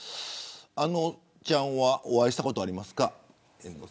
あのちゃんはお会いしたことありますか。